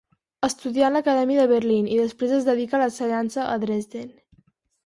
Estudià en l'Acadèmia de Berlín, i després es dedicà a l'ensenyança a Dresden.